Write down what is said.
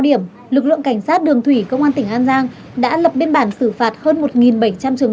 điểm lực lượng cảnh sát đường thủy công an tỉnh an giang đã lập biên bản xử phạt hơn một bảy trăm linh trường